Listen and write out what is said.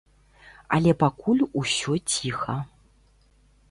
Але пакуль усё ціха.